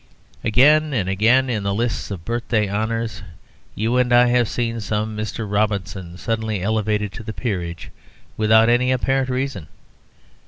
Again and again in the lists of Birthday Honours you and I have seen some Mr. Robinson suddenly elevated to the Peerage without any apparent reason.